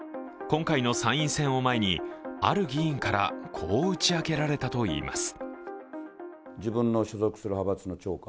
今回の参院選を前に、ある議員から、こう打ち明けられたといいます。